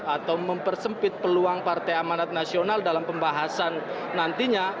atau mempersempit peluang partai amanat nasional dalam pembahasan nantinya